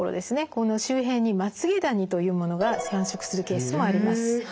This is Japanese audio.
この周辺にまつげダニというものが繁殖するケースもあります。